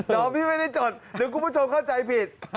เดี๋ยวพี่ไม่ได้จดเดี๋ยวคุณผู้ชมเข้าใจผิด